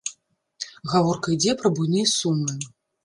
Гаворка ідзе пра буйныя сумы.